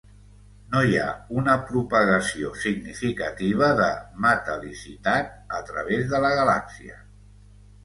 No hi ha una propagació significativa de metal.licitat a través de la galàxia.